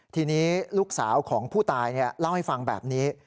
ทีนี้ลูกสาวของผู้ตายเล่าให้ฟังแบบนี้